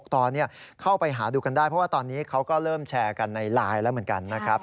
ตอนนี้เข้าไปหาดูกันได้เพราะว่าตอนนี้เขาก็เริ่มแชร์กันในไลน์แล้วเหมือนกันนะครับ